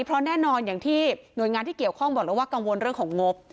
เพราะแน่นอนอย่างที่หน่วยงานที่เกี่ยวข้องบอกแล้วว่ากังวลเรื่องของงบ